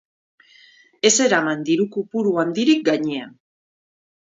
Ez eraman diru-kopuru handirik gainean.